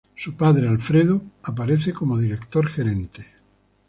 Su padre, Alfredo, aparece como Director-Gerente.